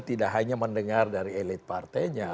tidak hanya mendengar dari elit partainya